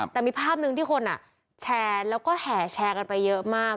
แต่มีภาพหนึ่งที่คนแชร์แล้วก็แห่แชร์กันไปเยอะมาก